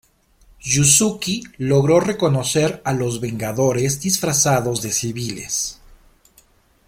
Yuzuki logró reconocer a los Vengadores disfrazados de civiles.